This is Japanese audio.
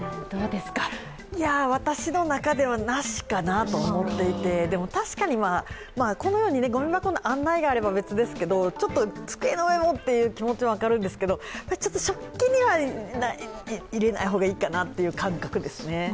私の中では、なしかなと思っていてでも、確かにこのように、ごみ箱の案内があれば別ですけど、ちょっと机の上もという気持ちは分かるんですけど食器には入れない方がいいかなという感覚ですね。